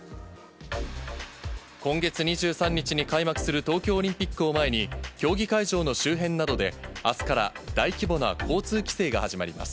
今月２３日に開幕する東京オリンピックを前に、競技会場の周辺などで、あすから大規模な交通規制が始まります。